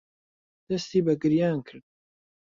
دەستی بە گریان کرد.